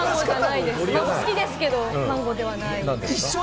好きですけれども、マンゴーではない。